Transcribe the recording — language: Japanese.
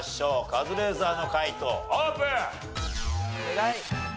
カズレーザーの解答オープン。